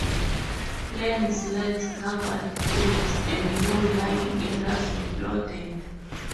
Landslides covered roads, and low-lying areas were flooded.